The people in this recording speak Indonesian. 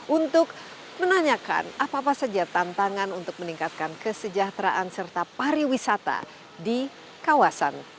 untuk menanyakan apa apa saja tantangan untuk meningkatkan kesejahteraan serta pariwisata di kawasan